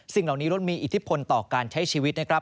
สิ่งเหล่านี้รถมีอิทธิพลต่อการใช้ชีวิตนะครับ